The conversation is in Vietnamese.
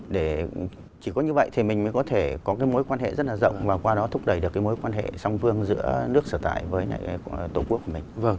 để chỉ có như vậy thì mình mới có thể có cái mối quan hệ rất là rộng và qua đó thúc đẩy được cái mối quan hệ song phương giữa nước sở tại với tổ quốc của mình